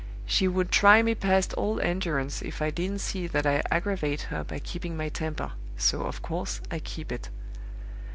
She would try me past all endurance if I didn't see that I aggravate her by keeping my temper, so, of course, I keep it.